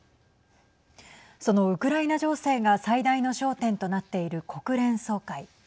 そのウクライナ情勢が最大の焦点となっている国連総会。